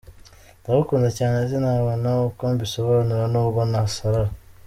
Ndagukunda cyane, sinabona uko mbisobanura n’ubwo nasarara.